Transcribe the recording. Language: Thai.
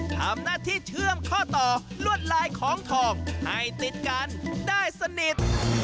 ทำหน้าที่เชื่อมข้อต่อลวดลายของทองให้ติดกันได้สนิท